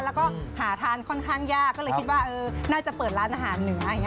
แล้วก็หาทานค่อนข้างยากก็เลยคิดว่าน่าจะเปิดร้านอาหารเหนืออย่างนี้